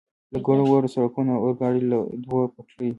له ګڼو وړو سړکونو، د اورګاډي له دوو پټلیو.